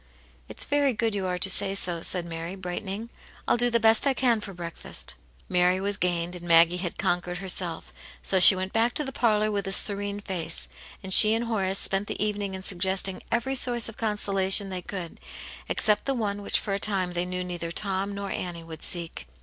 "It's very good you are to say so," said Mary, brightening. " I'll do the best I can for break fast." Mary was gained, and Maggie had concincrcd hcr 194 Aunt Jane's Hero. self, so she went back to the parlour with a serene face, and she and Horace spent the evening in sug gesting every source of consolation they could, except the one which for a time they knew neither Tom nor Annie would seek.